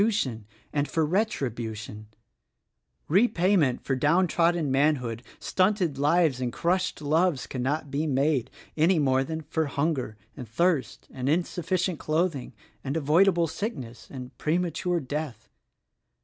^nT;~i an f T ,: e 1 tribution Repayment for downtrodden manhood, stunted lives and crushed loves cannot be made any more than for hunger and thirst and insufficient cloth ing and avoidable sickness and premature death.